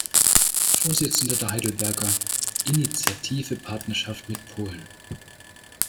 Vorsitzender der Heidelberger "Initiative Partnerschaft mit Polen".